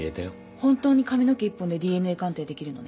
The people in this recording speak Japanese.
本当に髪の毛１本でＤＮＡ鑑定できるのね？